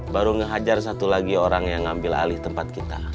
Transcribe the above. baru ngehajar satu lagi orang yang ngambil alih tempat kita